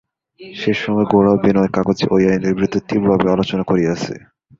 সে সময়ে গোরা ও বিনয় কাগজে ঐ আইনের বিরুদ্ধে তীব্রভাবে আলোচনা করিয়াছে।